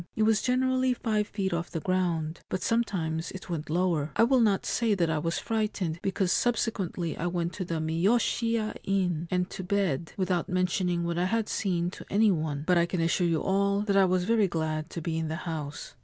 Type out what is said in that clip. It was generally five feet off the ground ; but sometimes it went lower. I will not say that I was frightened, because subsequently I went to the Miyoshiya inn, and to bed, without mentioning what I had seen to any one ; but I can assure you all that I was very glad to be in the house.